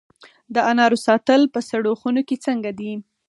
د انارو ساتل په سړو خونو کې څنګه دي؟